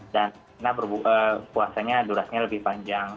dan puasanya durasnya lebih panjang